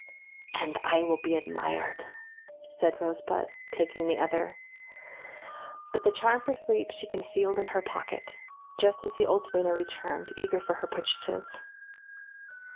"And I will be admired," said Rosebud, taking the other; but the charm for sleep she concealed in her pocket, just as the old duenna returned, eager for her purchases.